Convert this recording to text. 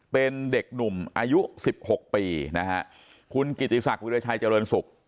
เป็นเด็กหนุ่มอายุ๑๖ปีคุณกิจิศักดิ์วิทยาลัยชายเจริญสุข